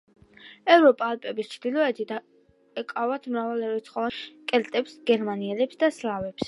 ევროპა ალპების ჩრდილოეთით, ეკავათ მრავალრიცხოვანი ტომების სამ ჯგუფს: კელტებს, გერმანელებს და სლავებს.